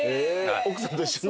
奥さんと一緒に？